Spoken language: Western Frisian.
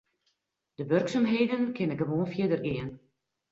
De wurksumheden kinne gewoan fierder gean.